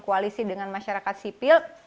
koalisi dengan masyarakat sipil